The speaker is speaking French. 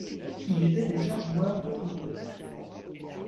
Il était déjà joueur de Oud.